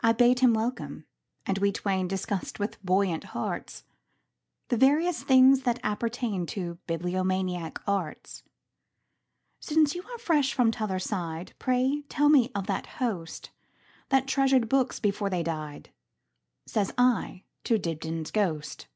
I bade him welcome, and we twainDiscussed with buoyant heartsThe various things that appertainTo bibliomaniac arts."Since you are fresh from t'other side, Pray tell me of that hostThat treasured books before they died,"Says I to Dibdin's ghost.